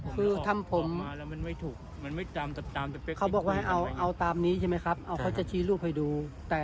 คือทำผมเขาบอกว่าเอาตามนี้ใช่ไหมครับเอาเขาจะชี้รูปให้ดู